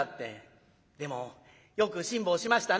でもよく辛抱しましたね」。